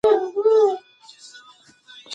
د خواجه سراګانو واک په قصر کې خورا زیات و.